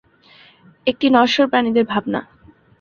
একটি নশ্বর প্রাণীদের ভাবনা।